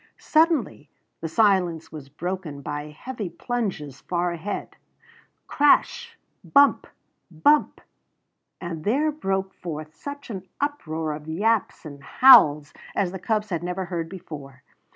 Suddenly the silence was broken by heavy plunges far ahead, crash! bump! bump! and there broke forth such an uproar of yaps and howls as the cubs had never heard before.